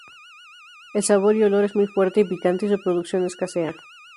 El sabor y olor es muy fuerte y picante, y su producción escasea.